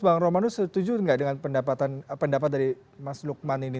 bang romanus setuju nggak dengan pendapat dari mas lukman ini